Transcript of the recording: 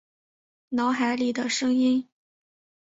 脑海里的声音